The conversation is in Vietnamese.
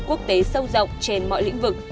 quốc tế sâu rộng trên mọi lĩnh vực